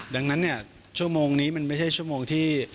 ดังนั้นเนี่ยชั่วโมงนี้มันไม่ใช่ชั่วโมงที่